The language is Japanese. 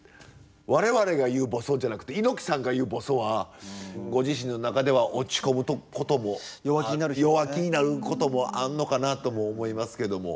我々が言うぼそっじゃなくて猪木さんが言うぼそっはご自身の中では落ち込むことも弱気になることもあんのかなとも思いますけども。